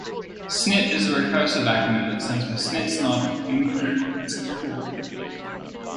Snit is a recursive acronym that stands for Snit's Not Incr Tcl.